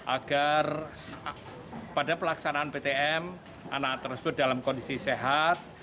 agar pada pelaksanaan ptm anak tersebut dalam kondisi sehat